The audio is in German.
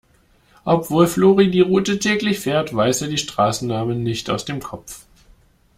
Obwohl Flori die Route täglich fährt, weiß der die Straßennamen nicht aus dem Kopf.